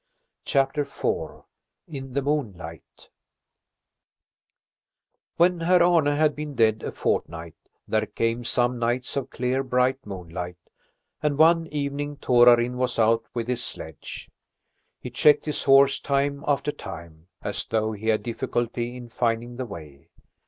CHAPTER IV IN THE MOONLIGHT When Herr Arne had been dead a fortnight there came some nights of clear, bright moonlight, and one evening Torarin was out with his sledge. He checked his horse time after time, as though he had difficulty in finding the way.